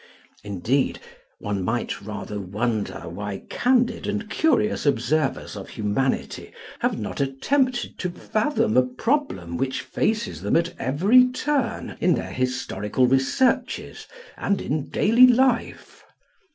Indeed, one might rather wonder why candid and curious observers of humanity have not attempted to fathom a problem which faces them at every turn in their historical researches and in daily life.